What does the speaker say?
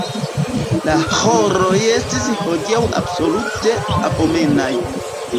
La ĥoroj estis hodiaŭ absolute abomenaj.